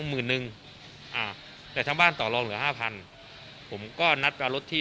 หมื่นนึงอ่าแต่ทางบ้านต่อลองเหลือห้าพันผมก็นัดมารถที่